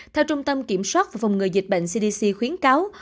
theo trung tâm kiểm soát phòng ngừa dịch bệnh cdc khuyến cáo